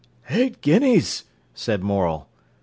"Eight guineas!" said Morel.